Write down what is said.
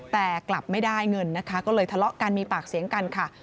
แต่กลับไม่ได้เงินนะคะก็เลยทะเลาะกันมีปากเสียงกันค่ะ